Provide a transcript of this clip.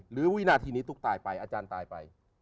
วินาทีนี้ตุ๊กตายไปอาจารย์ตายไป